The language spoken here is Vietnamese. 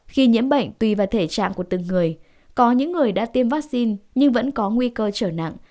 khi nhiễm bệnh tùy vào thể trạng của từng người có những người đã tiêm vaccine nhưng vẫn có nguy cơ trở nặng